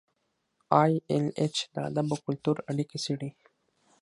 ای ایل ایچ د ادب او کلتور اړیکې څیړي.